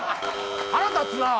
腹立つなあ！